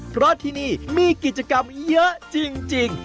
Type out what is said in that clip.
เพราะที่นี่มีกิจกรรมเยอะจริง